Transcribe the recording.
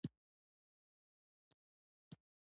وچي شوې